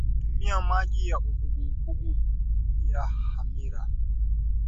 tumia maji ya uvuguvugu kuumulia hamira